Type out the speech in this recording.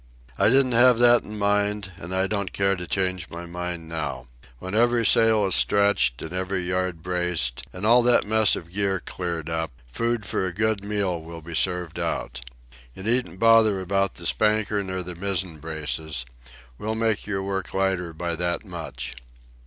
"I didn't have that in mind, and I don't care to change my mind now. When every sail is stretched and every yard braced, and all that mess of gear cleared up, food for a good meal will be served out. You needn't bother about the spanker nor the mizzen braces. We'll make your work lighter by that much."